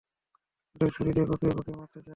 ওদের ছুরি দিয়ে কুপিয়ে কুপিয়ে মারতে চাই।